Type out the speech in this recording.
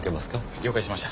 了解しました。